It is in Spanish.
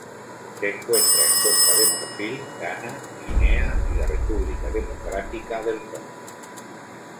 Se encuentra en Costa de Marfil, Ghana, Guinea y la República Democrática del Congo.